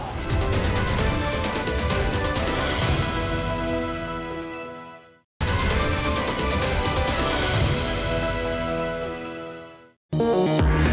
dia tekan berapa lama